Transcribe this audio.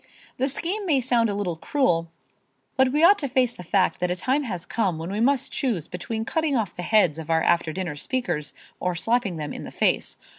The scheme may sound a little cruel, but we ought to face the fact that a time has come when we must choose between cutting off the heads of our after dinner speakers or slapping them in the face.